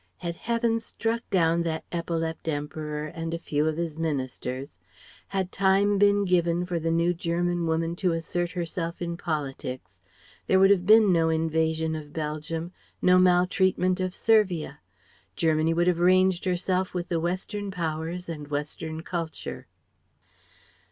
Had Heaven struck down that epilept Emperor and a few of his ministers, had time been given for the New German Woman to assert herself in politics, there would have been no invasion of Belgium, no maltreatment of Servia. Germany would have ranged herself with the Western powers and Western culture.